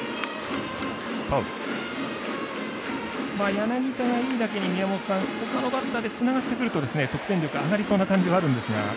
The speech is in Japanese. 柳田がいいだけに、宮本さんほかのバッターがつながってくると得点力上がりそうな感じはあるんですが。